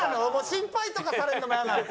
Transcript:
心配とかされるのもイヤなの！